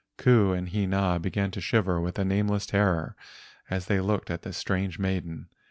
Ku and Hina began to shiver with a nameless terror as they looked at this strange maiden.